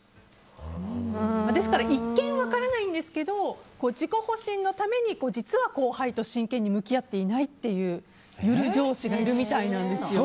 ですから一見分からないんですけど自己保身のために実は後輩と真剣に向き合っていないというゆる上司がいるみたいなんですよ。